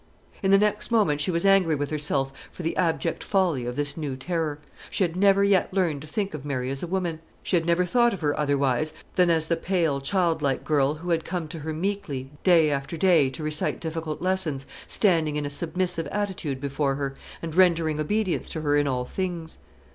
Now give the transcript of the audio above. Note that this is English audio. In the next moment she was angry with herself for the abject folly of this new terror. She had never yet learned to think of Mary as a woman. She had never thought of her otherwise than as the pale childlike girl who had come to her meekly, day after day, to recite difficult lessons, standing in a submissive attitude before her, and rendering obedience to her in all things.